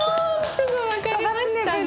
すぐ分かりましたね。